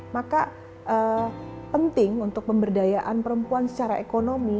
maka penting untuk pemberdayaan perempuan secara ekonomi